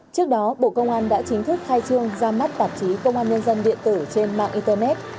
trước đó bộ công an đã chính thức khai trương ra mắt tạp chí công an nhân dân điện tử trên mạng internet